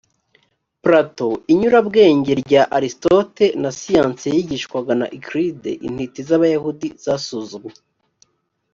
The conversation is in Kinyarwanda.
platon inyurabwenge rya aristote na siyansi yigishwaga na euclide intiti z abayahudi zasuzumye